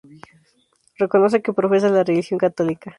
Reconoce que profesa la religión católica.